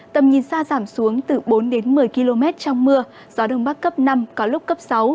tầm nhìn xa giảm xuống từ bốn đến một mươi km trong mưa gió đông bắc cấp năm có lúc cấp sáu